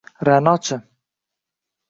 Ra’no-chi?